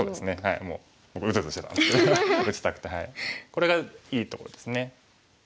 これがいいところですね。